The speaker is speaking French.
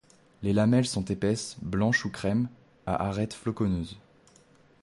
Les lamelles sont épaisses, blanches ou crème, à arête floconneuse.